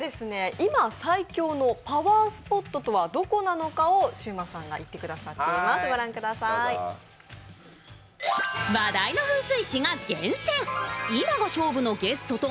今最強のパワースポットとはどこなのかシウマさんが行ってくださっています。